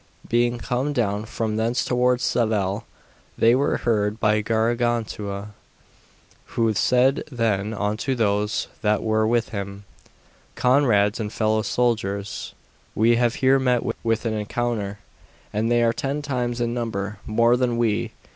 Being come down from thence towards Seville, they were heard by Gargantua, who said then unto those that were with him, Comrades and fellow soldiers, we have here met with an encounter, and they are ten times in number more than we.